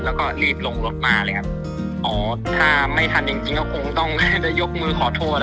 แล้วก็เรียบลงรถมาเลยครับอ๋อถ้าไม่ทันจริงจริงจะยกมือขอโทรค่ะ